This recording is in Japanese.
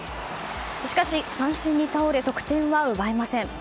しかし三振に倒れ得点は奪えません。